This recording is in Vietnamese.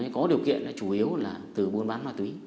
có điều kiện là chủ yếu là từ buôn bán ma túy